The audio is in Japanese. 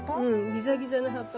ギザギザの葉っぱ。